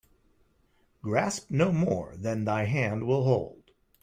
Grasp no more than thy hand will hold.